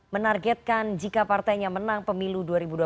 menargetkan jika partainya menang pemilu dua ribu dua puluh